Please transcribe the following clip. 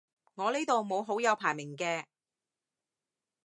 我呢度冇好友排名嘅